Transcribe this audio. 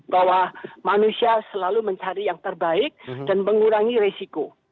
bahwa manusia selalu mencari yang terbaik dan mengurangi resiko